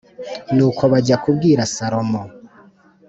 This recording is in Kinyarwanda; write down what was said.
Nuko bajya kubwira Salomo